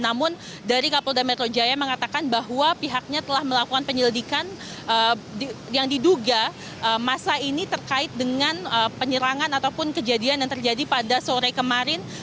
namun dari kapolda metro jaya mengatakan bahwa pihaknya telah melakukan penyelidikan yang diduga masa ini terkait dengan penyerangan ataupun kejadian yang terjadi pada sore kemarin